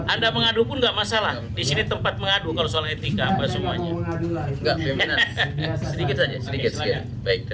anda mengadu nggak masalah di sini tempat mengadu soal etika semuanya